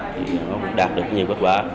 thì đạt được nhiều bất bả